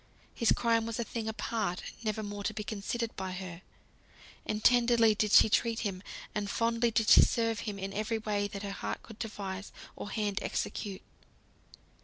His crime was a thing apart, never more to be considered by her. And tenderly did she treat him, and fondly did she serve him in every way that heart could devise, or hand execute.